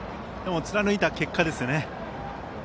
でも貫いた結果ですね。